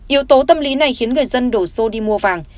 yếu tố tâm lý này khiến người dân đổ xô đi mua vàng